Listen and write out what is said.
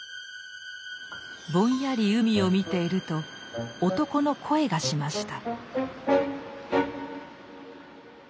ぼんやり海を見ていると男の声がしました。